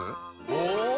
お！